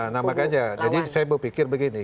namanya jadi saya berpikir begini